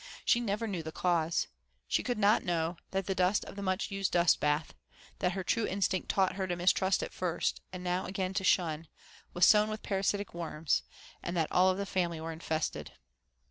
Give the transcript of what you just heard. She never knew the cause. She could not know that the dust of the much used dust bath, that her true instinct taught her to mistrust at first, and now again to shun, was sown with parasitic worms, and that all of the family were infested.